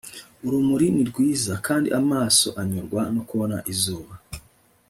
urumuri ni rwiza, kandi amaso anyurwa no kubona izuba